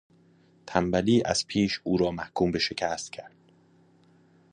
تنبلی از پیش او را محکوم به شکست کرد.